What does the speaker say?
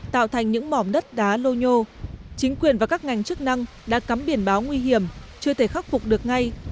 tạo thành những mỏm đất đá lô nhô chính quyền và các ngành chức năng đã cắm biển báo nguy hiểm chưa thể khắc phục được ngay